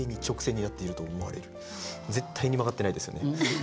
絶対に曲がってないですよね。